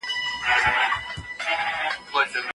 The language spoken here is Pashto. د بدن پیاوړتیا لپاره تل خپل وزن په یو حد کي وساتئ.